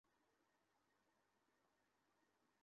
তাঁরা লক্ষ্য করে দেখলেন যে, তাঁর পায়ের চিহ্ন এক হাত দীর্ঘ।